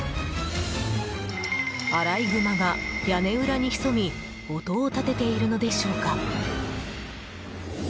アライグマが屋根裏に潜み音を立てているのでしょうか？